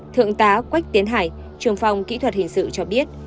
thượng tá quách tiến hải trường phòng kỹ thuật hình sự cho biết